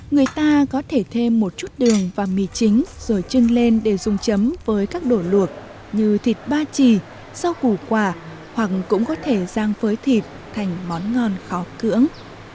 người ta có thể thêm một chút đường và mì chính rồi chưng lên để dùng chấm với các đồ luộc như thịt ba trì rau củ quả hoặc cũng có thể rang với thịt thành món ngon khó cưỡng